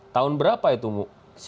tahun berapa itu mu